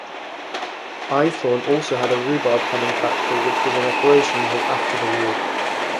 Eythorne also had a rhubarb-canning factory which was in operation until after the war.